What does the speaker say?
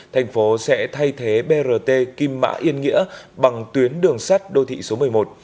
tp sẽ thay thế brt kim mã yên nghĩa bằng tuyến đường sắt đô thị số một mươi một